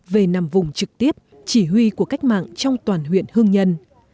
về nằm vùng trực tiếp chỉ huy của cách mạng trong toàn huyện hương nhân